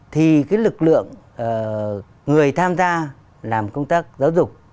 thì cái lực lượng người tham gia làm công tác giáo dục